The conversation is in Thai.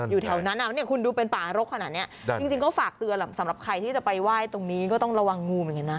อยู่แถวนั้นคุณดูเป็นป่ารกขนาดนี้จริงก็ฝากเตือนสำหรับใครที่จะไปไหว้ตรงนี้ก็ต้องระวังงูเหมือนกันนะ